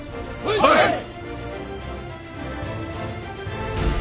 はい！